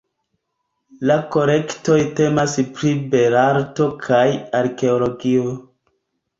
La kolektoj temas pri belarto kaj arkeologio.